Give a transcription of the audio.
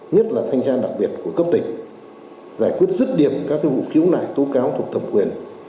nhất là thanh tra đặc biệt của cấp tỉnh giải quyết rất điểm các vụ kiếm lại tố cáo thuộc thẩm quyền